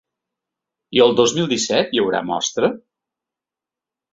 I el dos mil disset hi haurà Mostra?